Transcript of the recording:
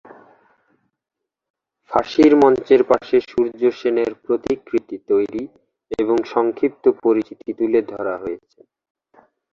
ফাঁসির মঞ্চের পাশে সূর্যসেনের প্রতিকৃতি তৈরি এবং সংক্ষিপ্ত পরিচিতি তুলে ধরা হয়েছে।